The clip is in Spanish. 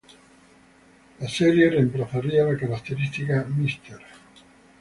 La serie reemplazaría la característica "Mr.